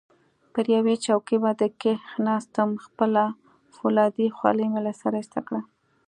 پر یوې چوکۍ باندې کښېناستم، خپله فولادي خولۍ مې له سره ایسته کړه.